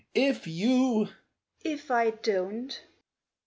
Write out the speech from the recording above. . If you. ..." "If I don't?"